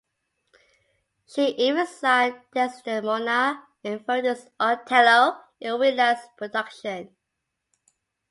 She even sang Desdemona in Verdi's "Otello" in Wieland's production.